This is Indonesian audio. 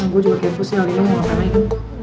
gue juga kayak pusnya alvin om mau nge prank